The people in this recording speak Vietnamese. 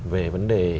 về vấn đề